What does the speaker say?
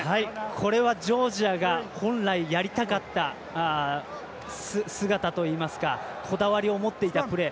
これは、ジョージアが本来やりたかった姿といいますかこだわりを持っていたプレー。